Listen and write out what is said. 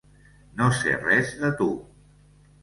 No sé res de tu.